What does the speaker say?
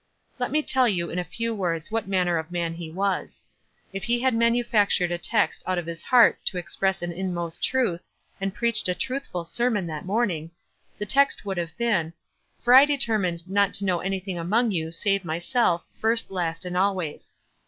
Let me tell you in a few words what manner of man he was. If he had manufactured a text out of his heart to express an inmost truth, and preached a truthful sermon that morning, the text would have been, "For I determined not to know anything among you save myself, first, last, and always."